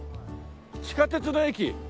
地下鉄の駅。